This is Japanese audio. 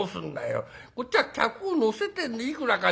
こっちは客を乗せていくらか。